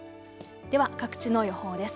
では各地の予報です。